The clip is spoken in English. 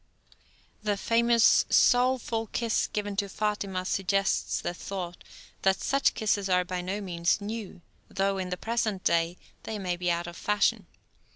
The famous "soulful" kiss given to Fatima suggests the thought that such kisses are by no means new, though, in the present day, they may be out of fashion.